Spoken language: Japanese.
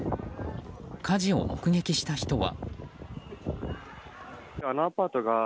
火事を目撃した人は。